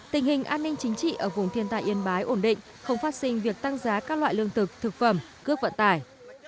tình hình an ninh chính trị ở vùng thiên tài yên bái ổn định không phát sinh việc tăng giá các loại lương thực thực phẩm cước vận tài